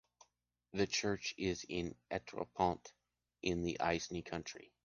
The church is in Étréaupont, in the Aisne county.